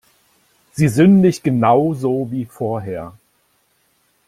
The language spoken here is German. Sie sündigt genauso wie vorher.